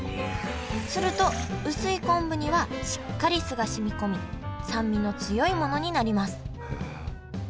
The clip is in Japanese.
すると薄い昆布にはしっかり酢が染み込み酸味の強いものになります。